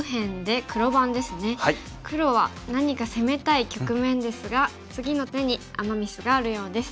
黒は何か攻めたい局面ですが次の手にアマ・ミスがあるようです。